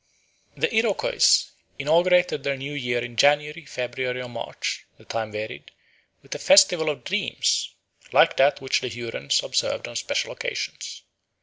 The Iroquois inaugurated the new year in January, February, or March (the time varied) with a "festival of dreams" like that which the Hurons observed on special occasions.